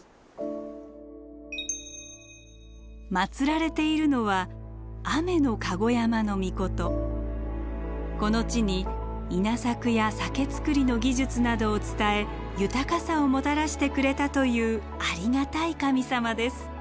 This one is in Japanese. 祀られているのはこの地に稲作や酒造りの技術などを伝え豊かさをもたらしてくれたというありがたい神様です。